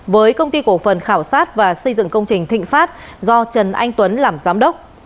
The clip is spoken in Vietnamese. với công ty cổ phần khảo sát và xây dựng công trình thịnh pháp do trần anh tuấn làm giám đốc